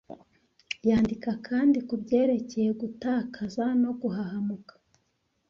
Yandika kandi kubyerekeye gutakaza no guhahamuka.